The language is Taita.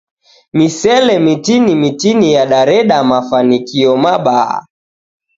Misele mitini mitini yadareda mafanikio mabaa.